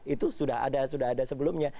itu sudah ada sebelumnya